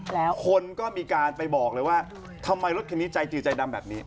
แล้วคนก็มีการไปบอกเลยว่าทำไมรถคันนี้ใจจือใจดำแบบนี้